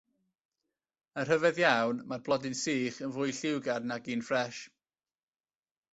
Yn rhyfedd iawn, mae'r blodyn sych yn fwy lliwgar nag un ffres!